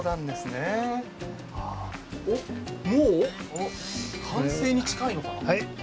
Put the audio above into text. お、もう完成に近いのか？